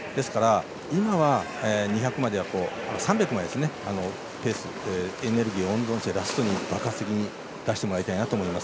今は、３００までエネルギーを温存してラストに爆発的に出してもらいたいなと思います。